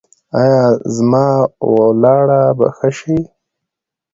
ایا زما ولاړه به ښه شي؟